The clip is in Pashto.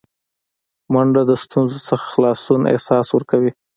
منډه د ستونزو نه خلاصون احساس ورکوي